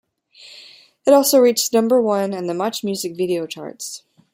It also reached number one on the MuchMusic video charts.